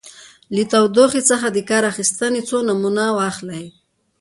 له تودوخې څخه د کار اخیستنې څو نومونه واخلئ.